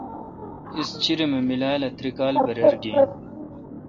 اس چِرم ام میلال ا تری کال برر گین۔